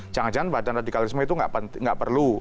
jangan jangan badan radikalisme itu nggak perlu